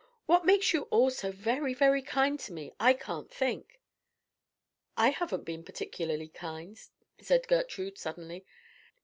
What makes you all so very, very kind to me, I can't think." "I haven't been particularly kind," said Gertrude, suddenly.